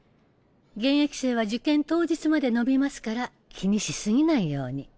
現役生は受験当日まで伸びますから気にし過ぎないように。